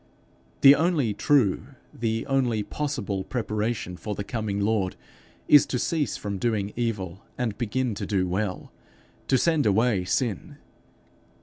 The only true, the only possible preparation for the coming Lord, is to cease from doing evil, and begin to do well to send away sin.